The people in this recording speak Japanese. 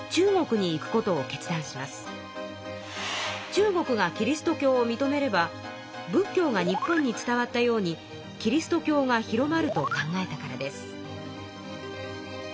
中国がキリスト教をみとめれば仏教が日本に伝わったようにキリスト教が広まると考えたからです。